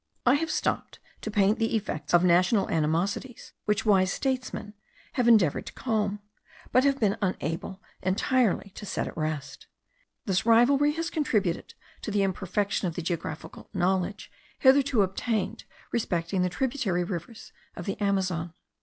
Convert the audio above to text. I have stopped to paint the effects of national animosities, which wise statesmen have endeavoured to calm, but have been unable entirely to set at rest. This rivalry has contributed to the imperfection of the geographical knowledge hitherto obtained respecting the tributary rivers of the Amazon.